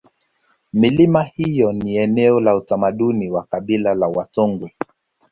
milima hiyo ni eneo la utamaduni kwa kabila la watongwe